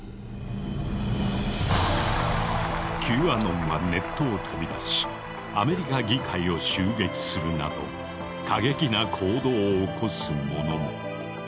Ｑアノンはネットを飛び出しアメリカ議会を襲撃するなど過激な行動を起こす者も。